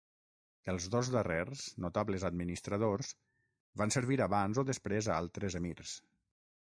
Els dos darrers, notables administradors, van servir abans o després a altres emirs.